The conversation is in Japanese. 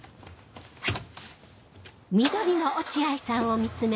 はい。